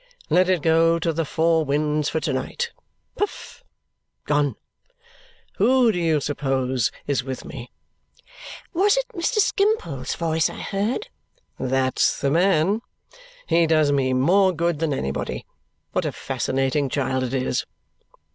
"Let it go to the four winds for to night. Puff! Gone! Who do you suppose is with me?" "Was it Mr. Skimpole's voice I heard?" "That's the man! He does me more good than anybody. What a fascinating child it is!"